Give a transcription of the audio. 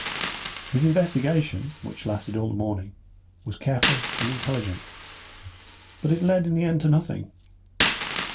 His investigation, which lasted all the morning, was careful and intelligent, but it led in the end to nothing.